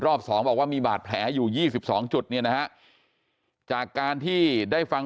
สองบอกว่ามีบาดแผลอยู่๒๒จุดเนี่ยนะฮะจากการที่ได้ฟัง